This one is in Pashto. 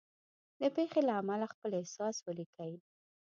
د پېښې له امله خپل احساس ولیکئ.